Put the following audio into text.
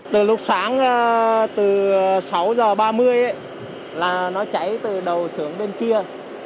từ lúc sáng từ sáu h ba mươi là nó cháy từ đầu sưởng bên kia